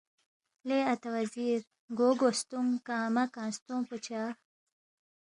لے اتا وزیر، گو گوستونگ، کنگمہ کنگستونگ پو چا؟